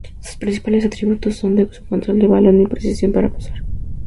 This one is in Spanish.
Sus principales atributos son su control de balón y su precisión para pasar.